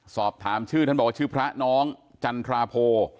สอบถามชื่อท่านบอกว่าชื่อพระน้องจันทราโพ